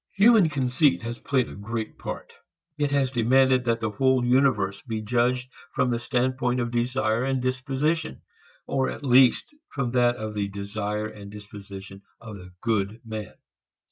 Human conceit has played a great part. It has demanded that the whole universe be judged from the standpoint of desire and disposition, or at least from that of the desire and disposition of the good man.